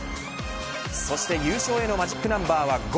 そして優勝へのマジックナンバーは５。